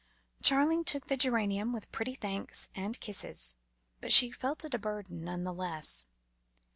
Charling took the geranium with pretty thanks and kisses, but she felt it a burden, none the less.